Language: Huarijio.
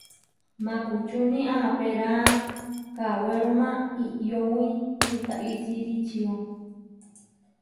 Makučúni aapéra kawerúma iʼyówi witaisíri ičio.